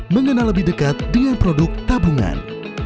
mengenal lebih dekat dengan produk tabungan